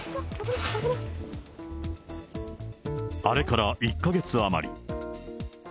あれから１か月余り。